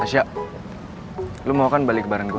asya lo mau kan balik ke barang gua